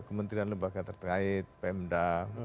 kementerian lebaga terkait pemda